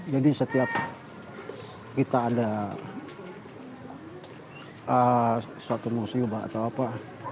jadi setiap kita ada suatu musibah atau apa